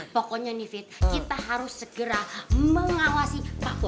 pokoknya nih fit kita harus segera mengawasi pak bos